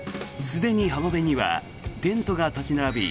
すでに浜辺にはテントが立ち並び